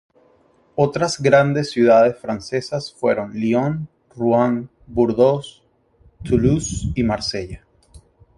Otras grandes ciudades francesas fueron Lyon, Ruan, Burdeos, Toulouse y Marsella.